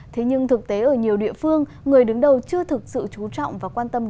thế nhưng thực tế ở nhiều địa phương người đứng đầu chưa thực sự trú trọng và quan tâm